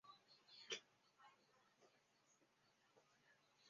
中学时期也是的剧团团员。